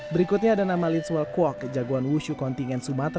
berikutnya ada nama litzwell kwok jagoan wushu kontingen sumatera